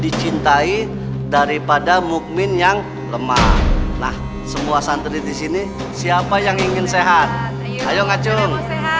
dicintai daripada mukmin ⁇ yang lemah nah semua santri di sini siapa yang ingin sehat ayo ngacun